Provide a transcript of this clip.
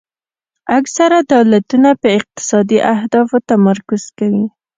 اکثره دولتونه په اقتصادي اهدافو تمرکز کوي